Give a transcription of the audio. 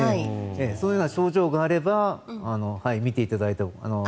そのような症状があれば見ていただいて。